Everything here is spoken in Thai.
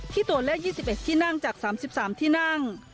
ตัวเลข๒๑ที่นั่งจาก๓๓ที่นั่ง